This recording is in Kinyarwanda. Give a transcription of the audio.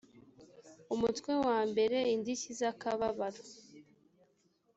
umutwe wa mbere indishyi zakababro